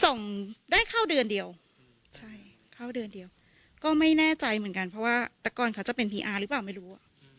ส่งได้เข้าเดือนเดียวใช่เข้าเดือนเดียวก็ไม่แน่ใจเหมือนกันเพราะว่าแต่ก่อนเขาจะเป็นพีอาร์หรือเปล่าไม่รู้